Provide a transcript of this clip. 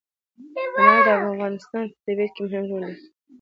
انار د افغانستان په طبیعت کې مهم رول لري.